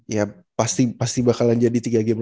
ya pasti bakalan jadi tiga game